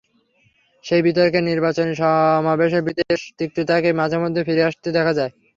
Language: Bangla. সেই বিতর্কে নির্বাচনী সমাবেশের বিদ্বেষ, তিক্ততাকে মাঝেমধ্যেই ফিরে আসতে দেখা যায়।